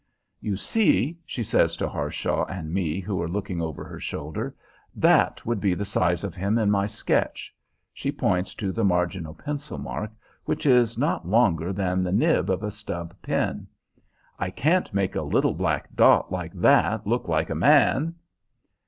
"You see," she says to Harshaw and me, who are looking over her shoulder, "that would be the size of him in my sketch." She points to the marginal pencil mark, which is not longer than the nib of a stub pen. "I can't make a little black dot like that look like a man."